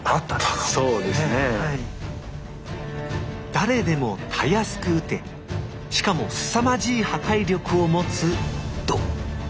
誰でもたやすくうてしかもすさまじい破壊力を持つ弩